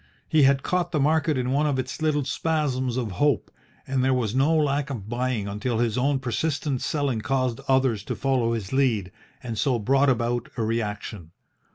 He had caught the market in one of its little spasms of hope, and there was no lack of buying until his own persistent selling caused others to follow his lead, and so brought about a reaction.